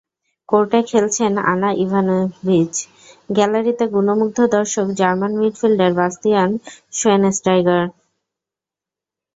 কোর্টে খেলছেন Ana Ivanovic, গ্যালারিতে গুণমুগ্ধ দর্শক জার্মান মিডফিল্ডার বাস্তিয়ান শোয়েনস্টাইগার।